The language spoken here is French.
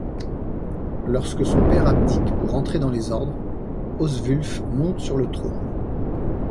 Lorsque son père abdique pour entrer dans les ordres, Oswulf monte sur le trône.